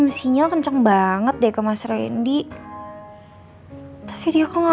brusing brusing kali ya